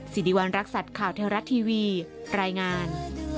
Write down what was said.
สิริวัณรักษัตริย์ข่าวเทวรัฐทีวีรายงาน